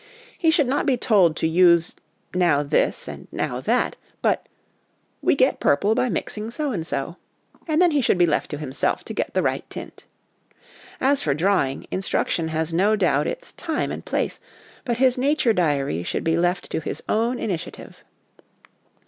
He should not be told to use now this and now that, but, ' we get purple by mixing so and so,' and then he should be left to himself to get the right tint. As for drawing, instruction has no doubt its time and place ; but his nature diary should be left to his own initiative.